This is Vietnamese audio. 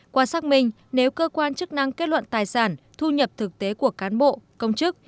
qua xác minh nếu cơ quan chức năng kết luận tài sản thu nhập thực tế của cán bộ công chức